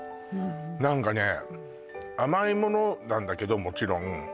何かね甘いものなんだけどもちろん